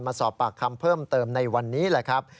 มาสอบปากคำเพิ่มเติมในวันนี้แหละครับ